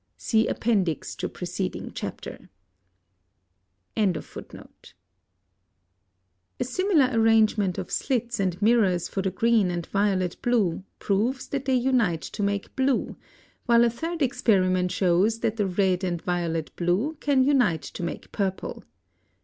See Appendix to preceding chapter.] (90) A similar arrangement of slits and mirrors for the green and violet blue proves that they unite to make blue, while a third experiment shows that the red and violet blue can unite to make purple.